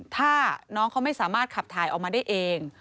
ถ้าน้องเขาไม่สามารถขับถ่ายออกมาได้เอง